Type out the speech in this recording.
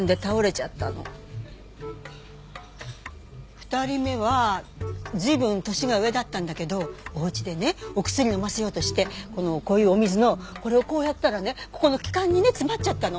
２人目は随分年が上だったんだけどお家でねお薬を飲ませようとしてこのこういうお水のこれをこうやったらねここの気管にね詰まっちゃったの。